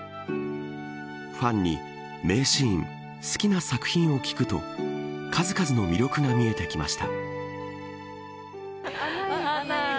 ファンに、名シーン好きな作品を聞くと数々の魅力が見えてきました。